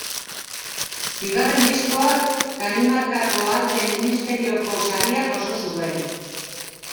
Bigarren diskoak Danimarkako Arte Ministerioko saria jaso zuen.